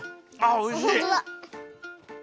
おいしい。